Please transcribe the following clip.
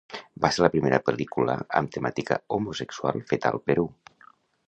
Va ser la primera pel·lícula amb temàtica homosexual feta al Perú.